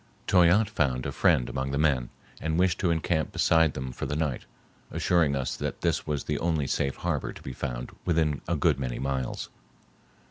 Toyatte found a friend among the men, and wished to encamp beside them for the night, assuring us that this was the only safe harbor to be found within a good many miles.